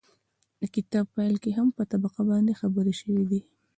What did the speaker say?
د کتاب پيل کې هم په طبقه باندې خبرې شوي دي